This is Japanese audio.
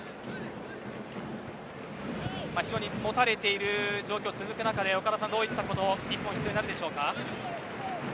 非常に持たれている状況続く中で岡田さん日本どういったことが必要になるでしょうか。